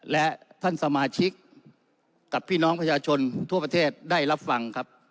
และท่านสมาชิกกับพี่น้องประชาชนทั่วประเทศได้รับฟังครับ